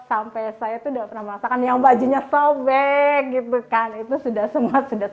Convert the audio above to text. sampai saya itu sudah pernah merasakan yang bajunya sobek gitu kan itu sudah semua sudah saya rasakan